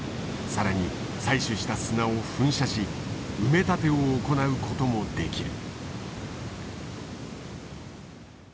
更に採取した砂を噴射し埋め立てを行うこともできる。